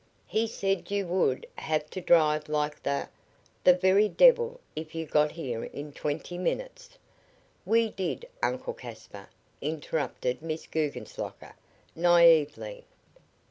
"He said you would have to drive like the the very devil if you got here in twenty minutes." "We did, Uncle Caspar," interrupted Miss Guggenslocker, naively.